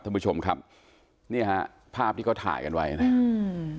ท่านผู้ชมครับเนี่ยฮะภาพที่เขาถ่ายกันไว้นะฮะอืม